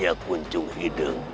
ya gunjung hidung